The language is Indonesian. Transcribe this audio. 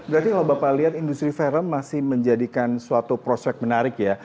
berarti kalau bapak lihat industri film masih menjadikan suatu prospek menarik ya